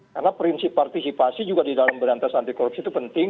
karena prinsip partisipasi juga di dalam berantas anti korupsi itu penting